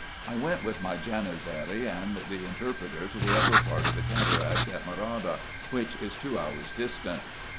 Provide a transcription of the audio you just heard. I went with my Janizary and the interpreter to the upper part of the cataract at Morada, which is two hours distant.